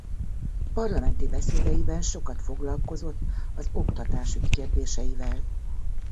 Parlamenti beszédeiben sokat foglalkozott az oktatásügy kérdéseivel.